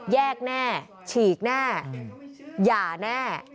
แยกแน่ฉีกแน่อย่าแน่